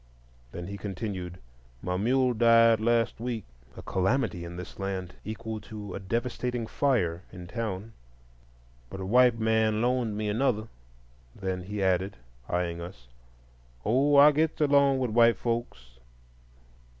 Then he continued, "My mule died last week,"—a calamity in this land equal to a devastating fire in town,—"but a white man loaned me another." Then he added, eyeing us, "Oh, I gets along with white folks."